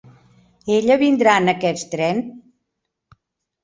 Ella vindrà en aquest tren?